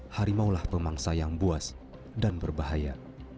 harimaulah pemangsa yang buas dan berbahaya